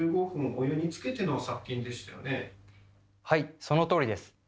はいそのとおりです。